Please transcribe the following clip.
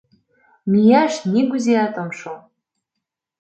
Мияш нигузеат ом шу.